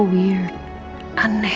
itu benar aneh